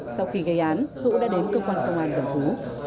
sau khi gây án hữu đã đến cơ quan công an gần phú